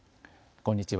こんにちは。